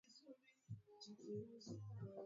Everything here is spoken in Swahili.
ni sauti yake wakili ojwang akina kutoka nairobi kenya